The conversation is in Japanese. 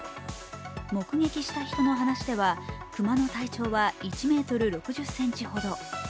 目撃した人の話では熊の体長は１ｍ６０ｃｍほど。